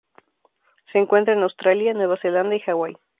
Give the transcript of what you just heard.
Se encuentra en Australia, Nueva Zelanda y Hawai.